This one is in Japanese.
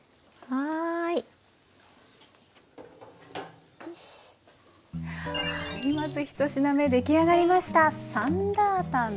はいまず一品目出来上がりました。